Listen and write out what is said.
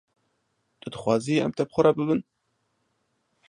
Tu dixwazî em te bi xwe re bibin?